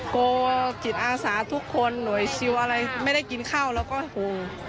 กลัวจิตอาสาทุกคนหน่วยซิลอะไรไม่ได้กินข้าวแล้วก็หู